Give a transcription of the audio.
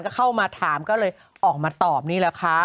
ก็เข้ามาถามก็เลยออกมาตอบนี่แหละค่ะ